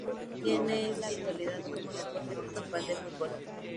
Tiene en la actualidad como deporte principal el fútbol.